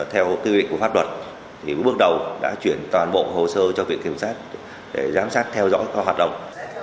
theo quy định của pháp luật bước đầu đã chuyển toàn bộ hồ sơ cho viện kiểm sát để giám sát theo dõi hoạt động